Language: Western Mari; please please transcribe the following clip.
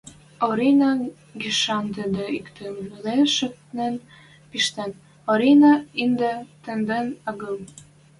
Оринӓ гишӓн тӹдӹ иктӹм веле шанен пиштен: Оринӓ ӹнде тӹдӹн агыл.